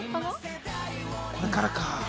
これからか。